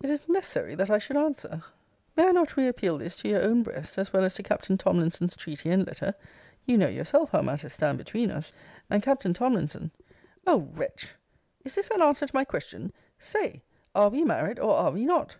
It is necessary that I should answer? May I not re appeal this to your own breast, as well as to Captain Tomlinson's treaty and letter? You know yourself how matters stand between us. And Captain Tomlinson Cl. O wretch! Is this an answer to my question? Say, are we married, or are we not?